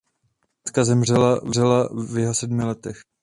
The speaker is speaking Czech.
Matka zemřela v jeho sedmi letech.